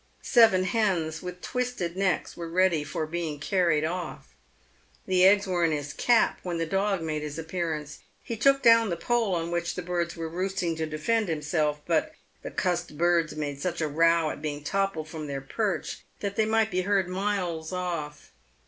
Seven hens, with twisted necks, were ready for being carried off. The eggs were in his cap when the dog made his appearance. He took down the pole on which the birds were roosting to defend himself, but " the cussed birds made such a row" at being toppled from their perch, that they might be heard miles off.